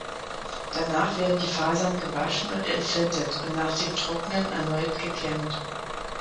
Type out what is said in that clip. Danach werden die Fasern gewaschen und entfettet und nach dem Trocknen erneut gekämmt.